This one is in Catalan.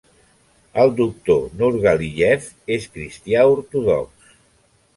El doctor Nurgaliyev és cristià ortodox.